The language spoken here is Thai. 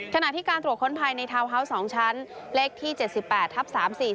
ขณะที่การตรวจค้นภายในทาวน์ฮาวส์๒ชั้นเลขที่๗๘ทับ๓๔๔